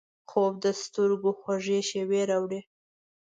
خوب د سترګو خوږې شیبې راوړي